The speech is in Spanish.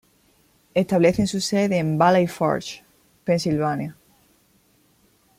Establecen su sede en Valley Forge, Pennsylvania.